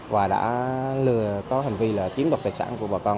và đã có hành vi là chiếm đoạt tài sản của bà con